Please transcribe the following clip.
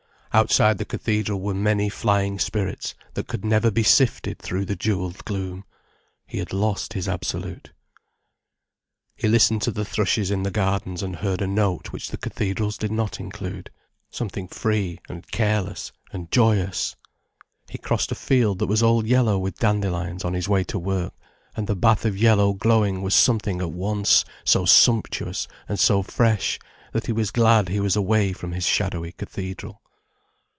Outside the cathedral were many flying spirits that could never be sifted through the jewelled gloom. He had lost his absolute. He listened to the thrushes in the gardens and heard a note which the cathedrals did not include: something free and careless and joyous. He crossed a field that was all yellow with dandelions, on his way to work, and the bath of yellow glowing was something at once so sumptuous and so fresh, that he was glad he was away from his shadowy cathedral.